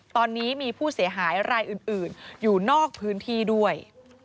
ตอนนี้มีผู้เสียหายรายอื่นอยู่นอกพื้นที่ด้วย